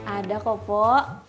ada kok puk